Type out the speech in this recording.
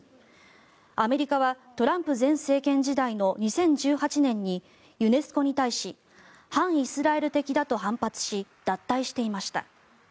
アメリカはトランプ前政権時代の２０１８年にユネスコに対し反イスラエル的だと反発し脱退していました。